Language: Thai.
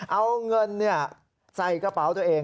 เอาเงินใส่กระเป๋าตัวเอง